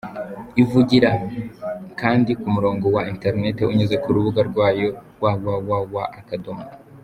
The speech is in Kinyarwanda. Ivugira kandi ku murongo wa Internet unyuze ku rubuga rwayo rwa www.